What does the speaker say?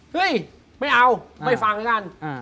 เฮ้ยไม่เอาไม่ฟังแล้วกัน